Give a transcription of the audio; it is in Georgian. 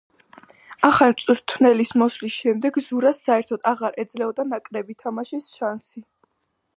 ახალი მწვრთნელის მოსვლის შემდეგ ზურას საერთოდ აღარ ეძლეოდა ნაკრები თამაშის შანსი.